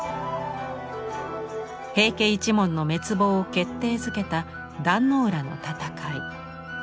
平家一門の滅亡を決定づけた壇ノ浦の戦い。